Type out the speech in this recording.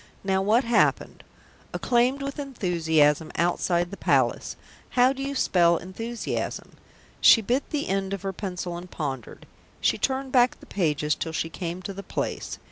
"Now what happened? Acclaimed with enthusiasm outside the Palace how do you spell 'enthusiasm'?" She bit the end of her pencil and pondered. She turned back the pages till she came to the place.